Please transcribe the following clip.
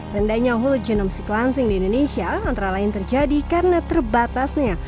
rendahnya whole genome sequencing di indonesia antara lain terjadi karena terbatasnya